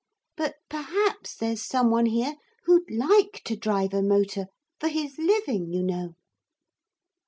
But perhaps there's some one here who'd like to drive a motor for his living, you know?'